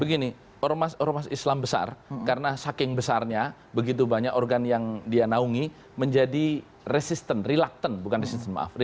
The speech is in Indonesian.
begini ormas islam besar karena saking besarnya begitu banyak organ yang dia naungi menjadi resistant reluctant bukan resisten maaf